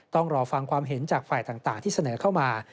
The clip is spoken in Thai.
ต้องรอฟังความเห็นจากฝ่ายต่างที่เสนอเข้ามา